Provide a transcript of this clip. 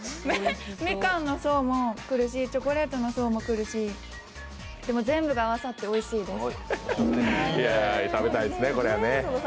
みかんの層もくるしチョコレートの層もくるしでも全部が合わさっておいしいです。